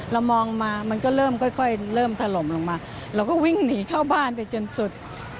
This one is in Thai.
เรามองมามันก็เริ่มค่อยเริ่มถล่มลงมาเราก็วิ่งหนีเข้าบ้านไปจนสุด